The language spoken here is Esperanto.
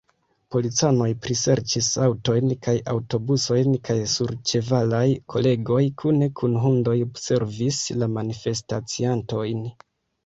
Policanoj priserĉis aŭtojn kaj aŭtobusojn, kaj surĉevalaj kolegoj, kune kun hundoj, observis la manifestaciantojn.